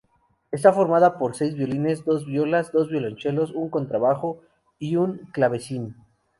Está formada por seis violines, dos violas, dos violonchelos, un contrabajo y un clavecín.